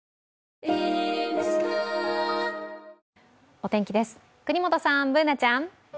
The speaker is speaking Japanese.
お天気です、國本さん、Ｂｏｏｎａちゃん。